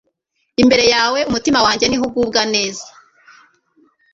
imbere yawe umutima wanjye ni ho ugubwa neza